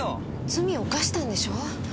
罪を犯したんでしょう？